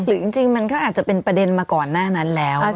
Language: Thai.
จริงมันก็อาจจะเป็นประเด็นมาก่อนหน้านั้นแล้ว